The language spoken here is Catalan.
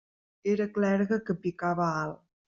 Era clergue que picava alt.